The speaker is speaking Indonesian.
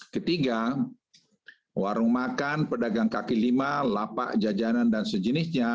ketiga warung makan pedagang kaki lima lapak jajanan dan sejenisnya